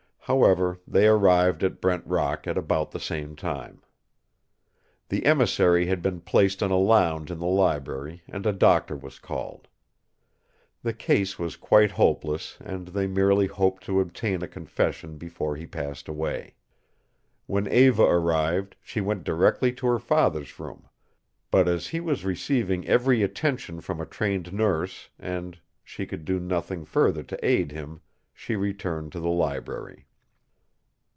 However, they arrived at Brent Rock at about the same time. The emissary had been placed on a lounge in the library and a doctor was called. The case was quite hopeless and they merely hoped to obtain a confession before he passed away. When Eva arrived she went directly to her father's room, but, as he was receiving every attention from a trained nurse and she could do nothing further to aid him, she returned to the library.